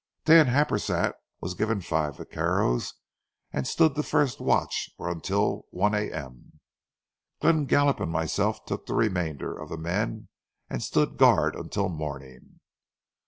Dan Happersett was given five vaqueros and stood the first watch or until one A.M. Glenn Gallup and myself took the remainder of the men and stood guard until morning.